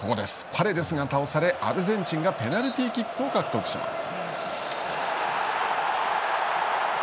パレデスが倒されアルゼンチンがペナルティーキックを獲得します。